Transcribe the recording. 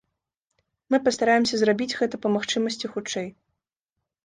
Мы пастараемся зрабіць гэта па магчымасці хутчэй.